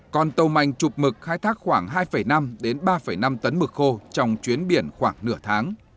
còn tàu manh chụp mực khai thác khoảng hai năm đến ba năm tấn mực khô trong chuyến biển khoảng nửa tháng